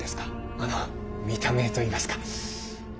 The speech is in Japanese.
あの見た目といいますか。